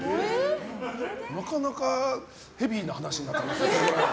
なかなかヘビーな話になってきますね。